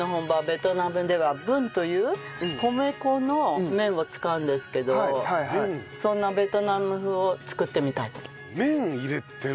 ベトナムではブンという米粉の麺を使うんですけどそんなベトナム風を作ってみたいと。